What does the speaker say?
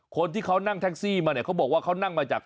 คนที่เขานั่งแท็กซี่มาเนี่ยเขาบอกว่าเขานั่งมาจาก